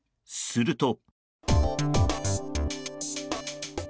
すると。